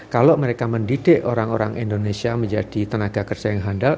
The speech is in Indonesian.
kalau mereka mendidik orang orang indonesia menjadi tenaga kerja yang handal